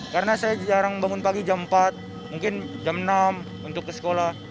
karena saya jarang bangun pagi jam empat mungkin jam enam untuk ke sekolah